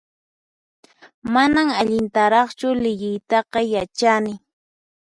Manan allintaraqchu liyiytaqa yachani